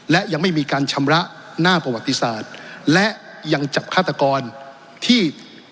และยังไม่มีการชำระหน้าประวัติศาสตร์และยังจับฆาตกรที่